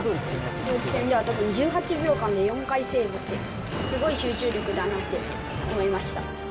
ドイツ戦では特に１８秒間で４回セーブって、すごい集中力だなって思いました。